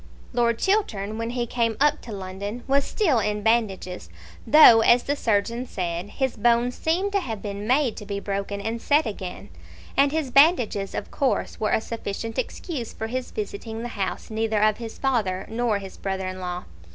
Lord Chiltern when he came up to London was still in bandages, though, as the surgeon said, his bones seemed to have been made to be broken and set again; and his bandages of course were a sufficient excuse for his visiting the house neither of his father nor his brother in law.